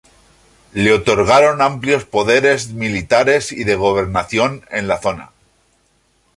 Le otorgaron amplios poderes militares y de gobernación en la zona.